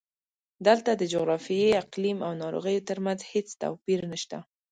دلته د جغرافیې، اقلیم او ناروغیو ترمنځ هېڅ توپیر نشته.